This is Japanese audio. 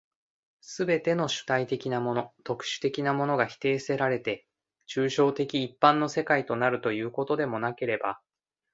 すべての主体的なもの、特殊的なものが否定せられて、抽象的一般の世界となるということでもなければ、